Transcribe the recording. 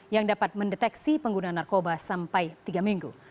yang dapat mendeteksi pengguna narkoba sampai tiga minggu